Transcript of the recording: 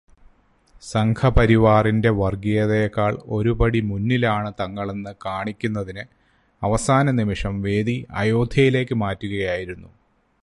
സംഘപരിവാറിന്റെ വര്ഗീയതയേക്കാള് ഒരുപടി മുന്നിലാണ് തങ്ങളെന്ന് കാണിക്കുന്നതിന് അവസാനനിമിഷം വേദി അയോദ്ധ്യയിലേക്ക് മാറ്റുകയായിരുന്നു.